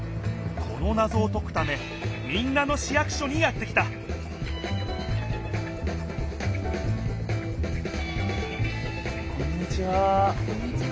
このなぞをとくため民奈野市役所にやって来たこんにちは。